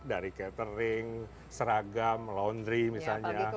dari catering seragam laundry misalnya